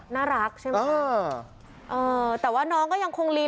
เป็นลุคใหม่ที่หลายคนไม่คุ้นเคย